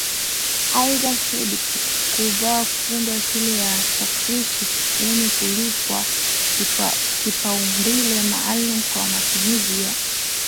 Aidha Edgar Guver kuundwa shule kwa takirishi Yeye kulipwa kipaumbele maalum kwa matumizi ya